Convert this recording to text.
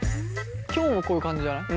きょももこういう感じじゃない？